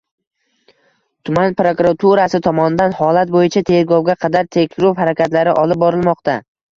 Tuman prokuraturasi tomonidan holat bo‘yicha tergovga qadar tekshiruv harakatlari olib borilmoqda